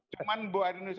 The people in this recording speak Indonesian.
cuman mbak arun nisa